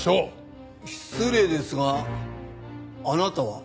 失礼ですがあなたは？